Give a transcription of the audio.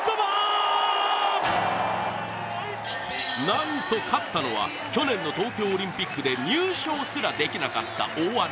なんと勝ったのは去年の東京オリンピックで入賞すらできなかった大穴